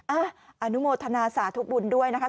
อ่ะอนุโมทนาศาสตร์ทุกบุญด้วยนะคะ